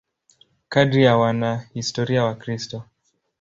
Kadiri ya wanahistoria Wakristo.